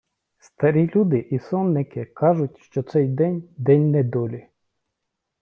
Старі люди і сонники кажуть, що цей день — день недолі.